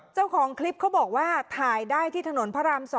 เจ้าของคลิปเขาบอกว่าถ่ายได้ที่ถนนพระราม๒